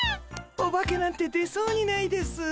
オバケなんて出そうにないです。